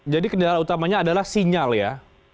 jadi kendala utamanya adalah sinyal ya